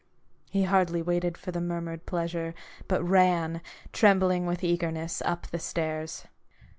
He hardly waited for the murmured pleasure, but ran, trembling with eagerness, up the stairs.